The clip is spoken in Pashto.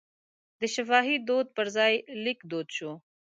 د شفاهي دود پر ځای لیک دود شو.